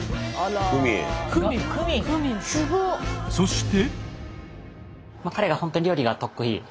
そして。